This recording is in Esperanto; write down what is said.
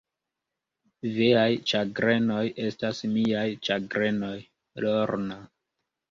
Viaj ĉagrenoj estas miaj ĉagrenoj, Lorna.